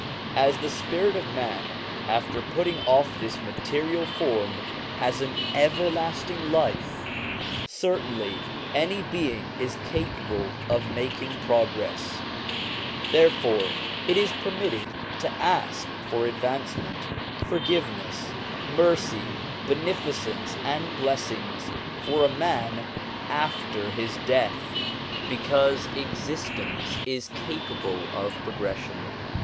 As the spirit of man after putting off this material form has an everlasting life, certainly any existing being is capable of making progress ; therefore it is permitted to ask for advancement, forgiveness, mercy, beneficence, and blessings for a man after his death, because existence is capable of pro gression.